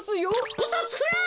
うそつくな！